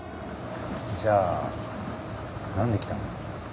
じゃあ何で来たの？